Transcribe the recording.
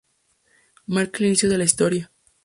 Marca el inicio de la historia.